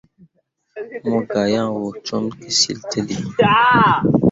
Mo gah yan wo com kǝsyiltǝlli.